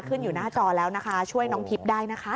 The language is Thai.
ขึ้นอยู่หน้าจอแล้วนะคะช่วยน้องทิพย์ได้นะคะ